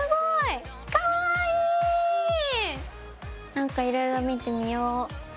何かいろいろ見てみよう。